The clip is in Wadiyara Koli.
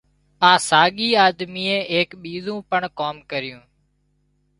اِ ساڳِي آۮميئي ايڪ ٻِيزُون پڻ ڪام ڪريون